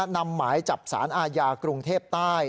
หมายจับสารอาญากรุงเทพใต้